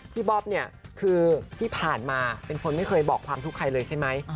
บ๊อบเนี่ยคือที่ผ่านมาเป็นคนไม่เคยบอกความทุกข์ใครเลยใช่ไหม